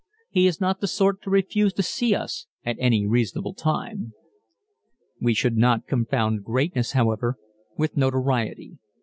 He is not the sort to refuse to see us at any reasonable time. We should not confound greatness, however, with notoriety.